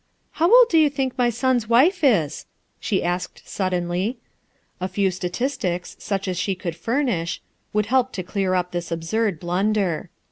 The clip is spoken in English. "How old do you think my eon's wife is?" fche a&kcd uuddenly. A few etaiigticB, such an ahe could furnish, would help to clear up this absurd blunder.